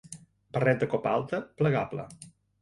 Barret de copa alta plegable.